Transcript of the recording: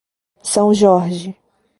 São Jorge